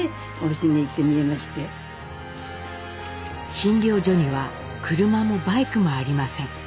診療所には車もバイクもありません。